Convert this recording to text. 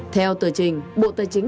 theo tờ trình bộ tài chính